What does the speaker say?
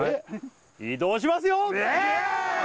移動しますよ！